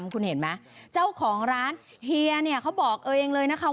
คุณเห็นไหมเจ้าของร้านเฮียเนี่ยเขาบอกเออเองเลยนะคะ